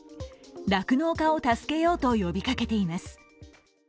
酪農家を助けようと呼びかけています。